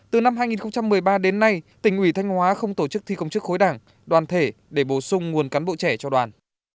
từ năm hai nghìn một mươi ba đến nay tỉnh ủy thanh hóa không tổ chức thi công chức khối đảng đoàn thể để bổ sung nguồn cán bộ trẻ cho đoàn